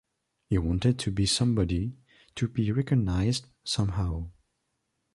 He wanted to be somebody, to be recognized somehow.